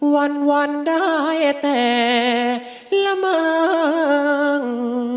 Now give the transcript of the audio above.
วันได้แต่ละมั้ง